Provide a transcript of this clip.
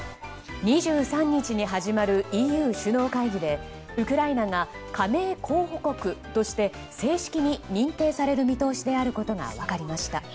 ２３日に始まるＥＵ首脳会議でウクライナが加盟候補国として正式に認定される見通しであることが分かりました。